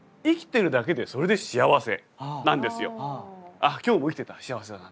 あっ今日も生きてた幸せだな。